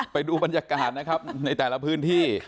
ไปดูบรรยากาศนะครับในแต่ละพื้นที่